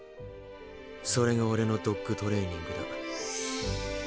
それがオレのドッグトレーニングだ。